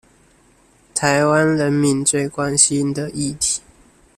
臺灣人民最關心的議題